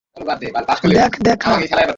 দ্যাখ, দ্যাখ, না।